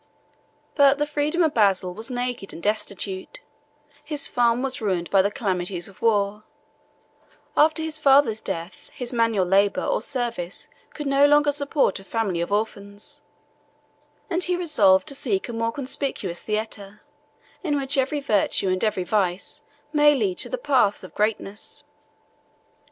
But the freedom of Basil was naked and destitute: his farm was ruined by the calamities of war: after his father's death, his manual labor, or service, could no longer support a family of orphans and he resolved to seek a more conspicuous theatre, in which every virtue and every vice may lead to the paths of greatness.